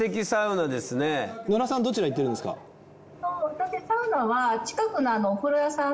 私サウナは近くのお風呂屋さん